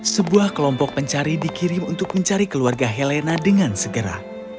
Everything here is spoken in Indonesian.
sebuah kelompok pencari dikirim untuk mencari keluarga helena dengan segera